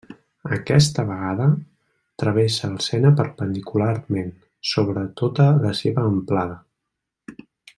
Aquesta vegada, travessa el Sena perpendicularment, sobre tota la seva amplada.